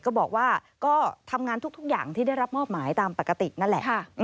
ก็บอกว่าก็ทำงานทุกอย่างที่ได้รับมอบหมายตามปกตินั่นแหละ